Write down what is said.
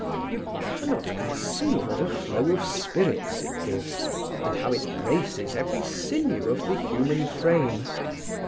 You cannot conceive what a flow of spirits it gives, and how it braces every sinew of the human frame.